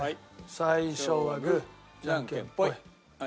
最初はグーじゃんけんぽい。